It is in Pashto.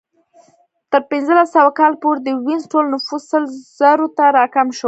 تر پنځلس سوه کال پورې د وینز ټول نفوس سل زرو ته راکم شو